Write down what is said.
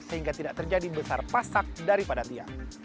sehingga tidak terjadi besar pasak daripada tia